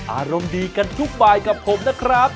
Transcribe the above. อารมณ์ดีกันทุกบายกับผมนะครับ